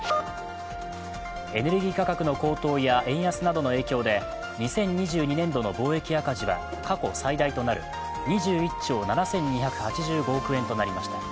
エネルギー価格の高騰や円安などの影響で２０２２年度の貿易赤字は過去最大となる２１兆７２８５億円となりました。